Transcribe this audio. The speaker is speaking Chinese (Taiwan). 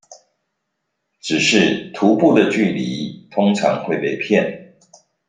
只是徒步的距離通常會被騙